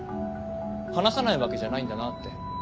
話さないわけじゃないんだなって。